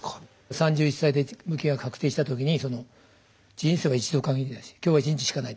３１歳で無期が確定したときに「人生は一度限りだし今日は１日しかない。